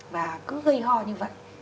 và cứ gây ho như vậy